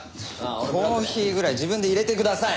コーヒーぐらい自分で入れてください！